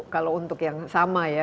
kalau untuk yang sama ya